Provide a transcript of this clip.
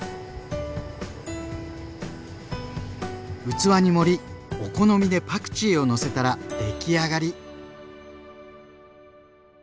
器に盛りお好みでパクチーをのせたら出来上がり。